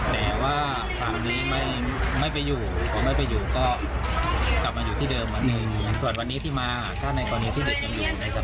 เพราะว่าเด็กไม่สามารถจะอยู่ในสภาพนี้รอบแบบนี้ได้